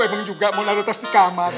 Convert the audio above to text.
emang juga mau taruh tas di kamar